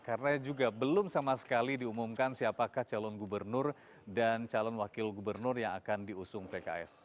karena juga belum sama sekali diumumkan siapakah calon gubernur dan calon wakil gubernur yang akan diusung pks